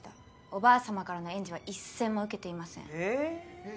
おばあさまからの援助は一銭も受けていません。